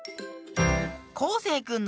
こうせいくんの。